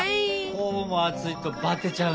こうも暑いとバテちゃうね。